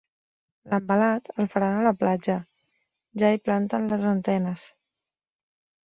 L'envelat, el faran a la platja: ja hi planten les antenes.